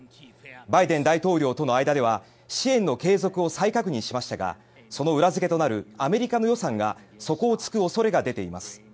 バイデン大統領との間では支援の継続を再確認しましたがその裏付けとなるアメリカの予算が底を突く恐れが出ています。